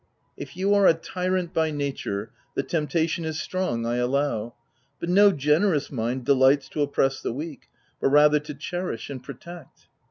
" If you are a tyrant by nature, the tempta tion is strong, I allow ; but no generous mind delights to oppress the weak, but rather to cherish and protect."